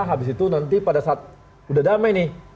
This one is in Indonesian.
habis itu nanti pada saat udah damai nih